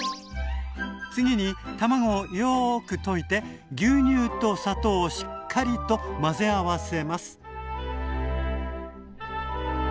次に卵をよく溶いて牛乳と砂糖をしっかりと混ぜ合わせます。